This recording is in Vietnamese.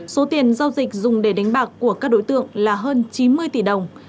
số tiền giao dịch dùng để đánh bạc của các đối tượng là hơn chín mươi tỷ đồng